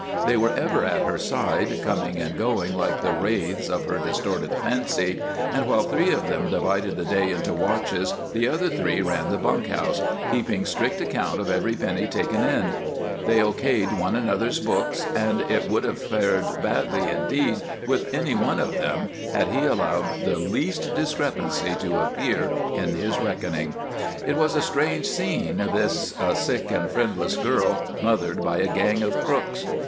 They were ever at her side, coming and going like the wraiths of her distorted fancy, and while three of them divided the day into watches the other three ran the bunk house, keeping strict account of every penny taken in. They O. K.'d one another's books, and it would have fared badly indeed with any one of them had he allowed the least discrepancy to appear in his reckoning. It was a strange scene, this, a sick and friendless girl mothered by a gang of crooks.